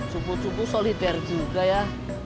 cupu cupu solider juga ya